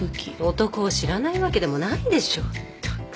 男を知らないわけでもないでしょったく。